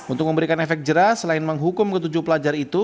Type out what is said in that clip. untuk memberikan efek jerah selain menghukum ketujuh pelajar itu